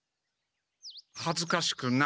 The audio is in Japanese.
はずかしくない。